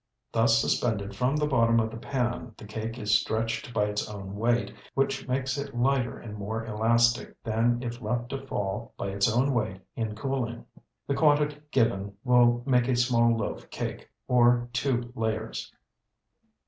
Thus suspended from the bottom of the pan, the cake is stretched by its own weight, which makes it lighter and more elastic than if left to fall by its weight in cooling. The quantity given will make a small loaf cake, or two layers.